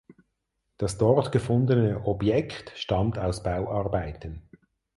Das dort gefundene Objekt stammt aus Bauarbeiten.